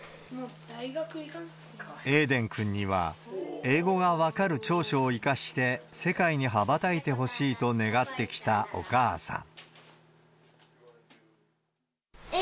エイデン君には、英語が分かる長所を生かして世界に羽ばたいてほしいと願ってきたお母さん。